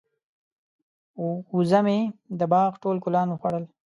وزه مې د باغ ټول ګلان وخوړل.